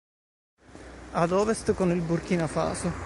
Ad Ovest con il Burkina Faso.